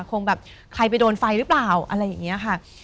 คงแบบใครไปโดนไฟหรือเปล่าอะไรอย่างนี้ค่ะ